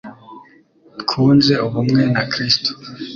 twunze ubumwe na Kristo